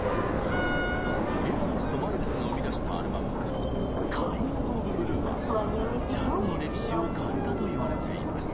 エヴァンスとマイルスが生み出したアルバム「ＫｉｎｄｏｆＢｌｕｅ」はジャズの歴史を変えたと言われています。